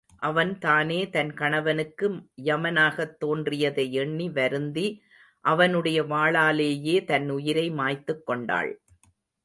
அவள் தானே தன் கணவனுக்கு யமனாகத் தோன்றியதை எண்ணி வருந்தி, அவனுடைய வாளாலேயே தன் உயிரை மாய்த்துக் கொண்டாள்.